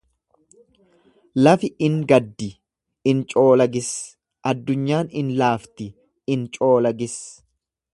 Lafi in gaddi, in coolagis; addunyaan in laafti, in coolagis.